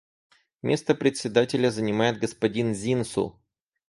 Место Председателя занимает господин Зинсу.